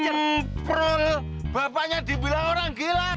nyemprol bapaknya dibilang orang gila